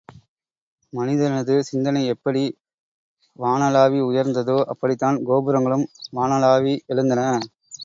மனிதனது சிந்தனை எப்படி வானளாவி உயர்ந்ததோ, அப்படித்தான் கோபுரங்களும் வானளாவி எழுந்தன.